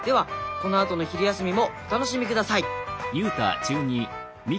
このあとの昼休みもお楽しみください。